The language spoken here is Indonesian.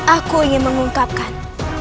aku ingin mengungkapkan